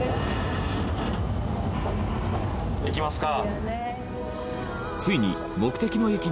行きますか。